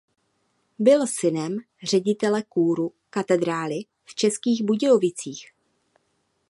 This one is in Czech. Byl synem ředitele kůru katedrály v Českých Budějovicích.